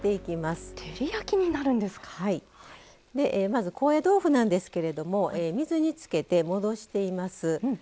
まず高野豆腐なんですけれども水につけて戻しています。